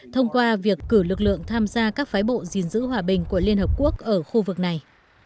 thông qua việc cử lực lượng tham gia các phái bộ gìn giữ hòa bình của liên hợp quốc ở khu vực này